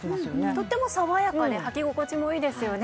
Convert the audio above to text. とっても爽やかではき心地もいいですよね。